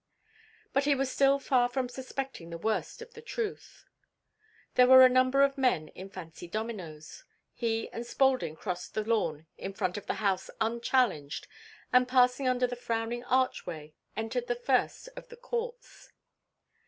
But he was still far from suspecting the worst of the truth. There were a number of men in fancy dominoes; he and Spaulding crossed the lawn in front of the house unchallenged and, passing under the frowning archway, entered the first of the courts.